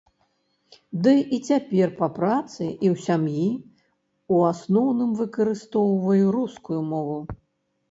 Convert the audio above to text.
Ды і цяпер па працы і ў сям'і ў асноўным выкарыстоўваю рускую мову.